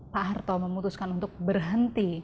pak harto memutuskan untuk berhenti